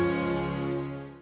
gak mau nyak